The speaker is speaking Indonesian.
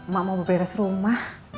mak mau beres rumah